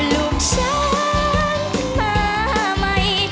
ลูกฉันมาใหม่